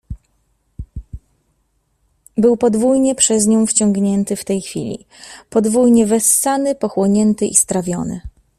Był podwójnie przez nią wciągnięty w tej chwili, po dwójnie wessany, pochłonięty i strawiony.